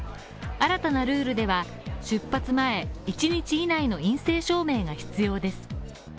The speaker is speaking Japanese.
新たなルールでは、出発前１日以内の陰性証明が必要です。